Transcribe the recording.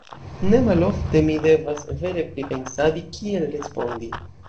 Ne malofte mi devas vere pripensadi, kiel respondi.